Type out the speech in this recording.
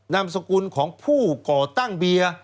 นามสกุลของผู้ก่อตั้งเบียร์